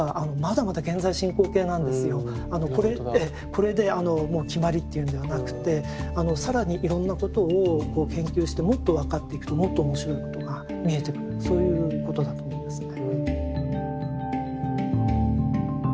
これでもう決まりっていうんではなくて更にいろんなことを研究してもっと分かっていくともっと面白いことが見えてくるそういうことだと思うんですね。